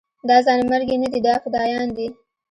دا ځانمرګي نه دي دا فدايان دي.